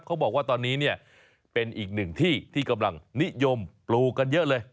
เขาบอกว่าตอนนี้เนี่ยเป็นอีกหนึ่งที่ที่กำลังนิยมปลูกกันเยอะเลย